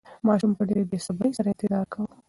ماشوم په ډېرې بې صبرۍ سره انتظار کاوه.